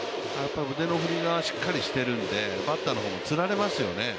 腕の振りがしっかりしているのでバッターもつられますよね。